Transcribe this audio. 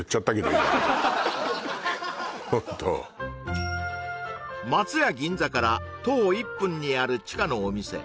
今松屋銀座から徒歩１分にある地下のお店